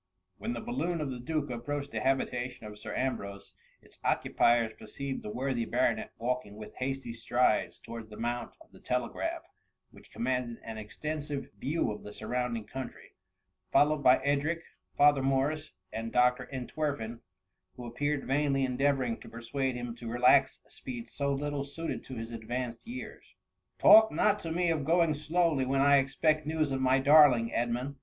When the balloon of the duke approached the habitation of Sir Ambrose, its occupiers perceived the worthy baronet walking with hasty strides towards the mount of the tele graph, which commanded an extensive view of the surrounding country, followed by Edric, Father Morris, and Dr. Entwerfen, who ap peared vainly endeavouring to persuade him to relax a speed so little suited to his advanced years. " Talk not to me of going slowly, when I expect news of my darling Edmund